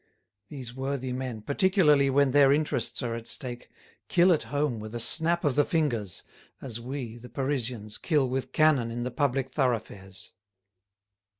These worthy men, particularly when their interests are at stake, kill at home with a snap of the fingers, as we, the Parisians, kill with cannon in the public thoroughfares.